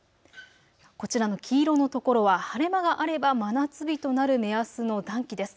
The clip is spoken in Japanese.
こちらの黄色のところは晴れ間があれば真夏日となる目安の暖気です。